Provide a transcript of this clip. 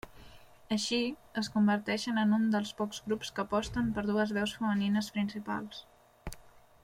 Així, es converteixen en un dels pocs grups que aposten per dues veus femenines principals.